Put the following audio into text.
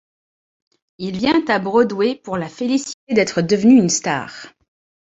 Il vient à Broadway pour la féliciter d'être devenue une star.